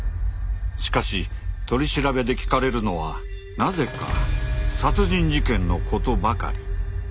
しかし取り調べで聞かれるのはなぜか殺人事件のことばかり。